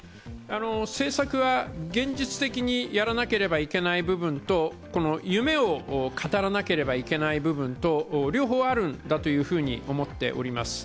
政策は現実的にやらなければいけない部分と夢を語らなければいけない部分と両方あるんだと思っております。